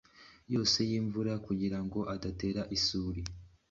yose y’imvura kugirango adatera isuri